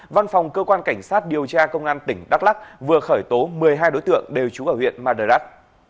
văn phòng cơ quan cảnh sát điều tra công an tỉnh đắk lắc vừa khởi tố một mươi hai đối tượng đều trú ở huyện madak